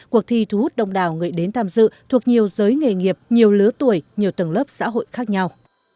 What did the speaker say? cuộc thi thu hút đông đào người đến tham dự thuộc nhiều giới nghề nghiệp nhiều lứa tuổi nhiều tầng lớp xã hội khác nhau